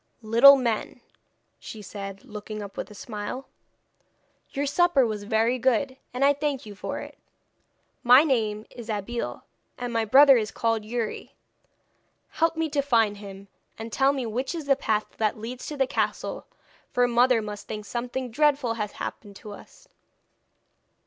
'Little men,' she said, looking up with a smile, 'your supper was very good, and I thank you for it. My name is Abeille, and my brother is called Youri. Help me to find him, and tell me which is the path that leads to the castle, for mother must think something dreadful has happened to us!'